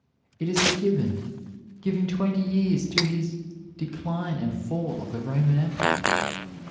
It is a Gibbon, giving twenty years to his "Decline and Fall of the Roman Empire."